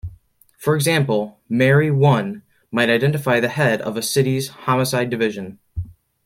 For example, "Mary One" might identify the head of a city's homicide division.